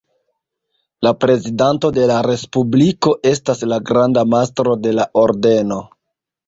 La prezidanto de la Respubliko estas la granda mastro de la Ordeno.